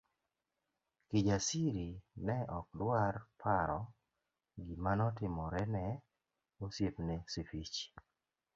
Kijasiri ne ok dwar paro gima notimore ne osiepne Sifichi.